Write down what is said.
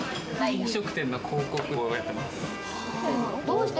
飲食店の広告とかやってます。